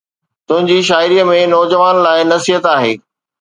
تنهنجي شاعريءَ ۾ نوجوانن لاءِ نصيحت آهي